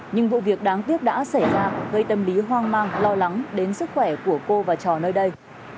nhưng vụ việc đáng tiếc đã xảy ra gây tâm lý hoang mang lo lắng đến sức khỏe của cô và trò nơi đây